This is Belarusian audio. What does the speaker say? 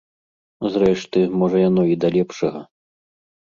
Зрэшты, можа яно і да лепшага.